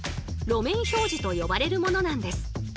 「路面標示」と呼ばれるものなんです。